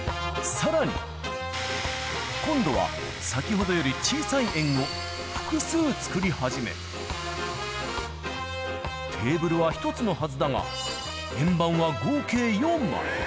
さらに今度は先ほどより小さい円を複数作り始め、テーブルは１つのはずだが、円板は合計４枚。